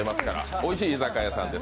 おいしい居酒屋さんです。